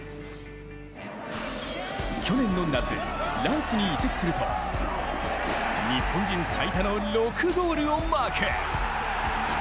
去年の夏、ランスに移籍すると日本人最多の６ゴールをマーク。